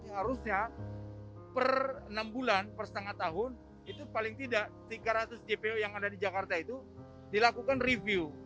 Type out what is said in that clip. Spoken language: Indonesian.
harusnya per enam bulan per setengah tahun itu paling tidak tiga ratus jpo yang ada di jakarta itu dilakukan review